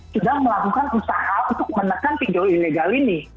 sudah melakukan usaha untuk menekan pinjol ilegal ini